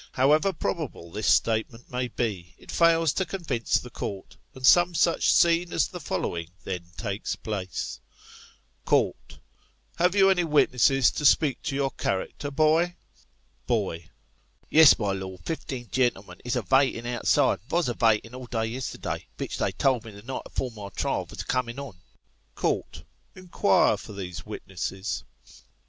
However probable this statement may be, it fails to convince the Court, and some such scene as the following then takes place : Court : Have you any witnesses to speak to your character, boy ? Boy : Yes, my Lord ; fifteen gen'lm'n is a vaten outside, and vos a vaten all day yesterday, vich they told me the night afore my trial vos a coinin' on. Court : Inquire for these witnesses.